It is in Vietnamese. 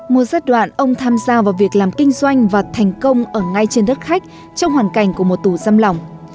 một giai đoạn ông tham gia vào việc làm kinh doanh và thành công ở ngay trên đất khách trong hoàn cảnh của một tù giam lỏng